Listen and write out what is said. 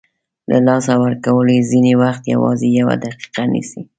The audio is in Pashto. له لاسه ورکول یې ځینې وخت یوازې یوه دقیقه نیسي.